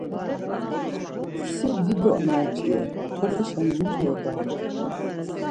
Si dido anaç̌i re, tolişen mutu var gamt̆en.